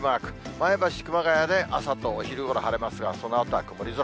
前橋、熊谷で朝とお昼ごろ、晴れますが、そのあとは曇り空。